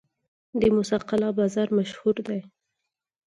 د موسی قلعه بازار مشهور دی